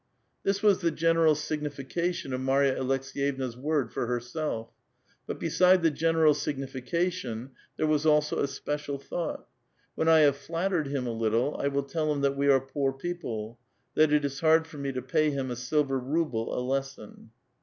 This was the genertil siguitication of Marja Aleks6yevna's word for herself ; but beside the general sigiiiiicatiou there was also a sptc ial thought :'' When 1 have flattered him a little, I will tell him that we are poor people ; that it is hard for me to pay him a silver ruble a lesson."